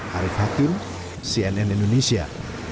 harif hakim cnn indonesia